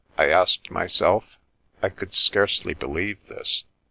" I asked myself. I could scarcely believe this.